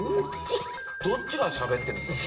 どっちがしゃべってるんですか？